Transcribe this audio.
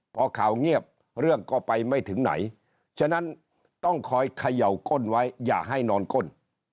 พอข่าวเงียบเรื่องก็ไปไม่ถึงไหนฉะนั้นต้องคอยเขย่าก้นไว้อย่าให้นอนก้น